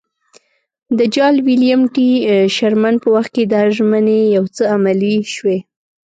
د جال ویلیم ټي شرمن په وخت کې دا ژمنې یو څه عملي شوې.